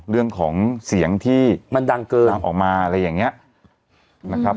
เรื่องของเสียงที่มันดังเกินดังออกมาอะไรอย่างนี้นะครับ